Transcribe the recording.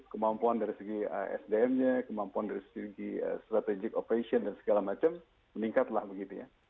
kemampuan dari segi sdm nya kemampuan dari segi strategic operation dan segala macam meningkat lah begitu ya